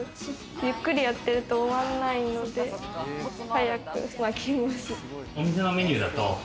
ゆっくりやってると終わらないので早く巻きます。